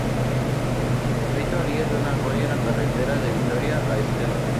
Se ubica a orillas de un arroyo en la carretera de Vitoria a Estella.